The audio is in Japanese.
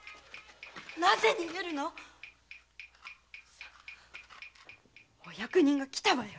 なぜ逃げるの⁉お役人が来たわよ！